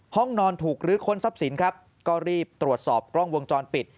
ห้องนอนถูกลื้อค้นทรัพย์สินครับก็รีบตรวจสอบกล้องวงจรปิด